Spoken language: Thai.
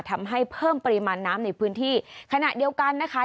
ทำให้เพิ่มปริมาณน้ำในพื้นที่ขณะเดียวกันนะคะ